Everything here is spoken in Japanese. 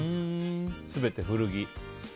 全て古着と。